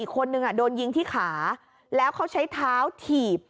คนหนึ่งโดนยิงที่ขาแล้วเขาใช้เท้าถีบ